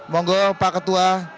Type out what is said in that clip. monggo pak ketua